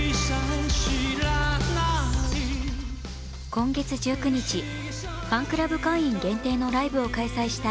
今月１９日、ファンクラブ会員限定のライブを開催した